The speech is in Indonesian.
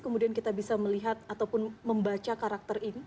kemudian kita bisa melihat ataupun membaca karakter ini